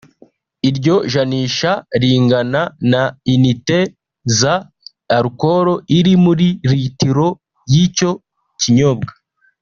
iryo janisha ringana na inite za alcool iri muri litiro y’icyo kinyobwa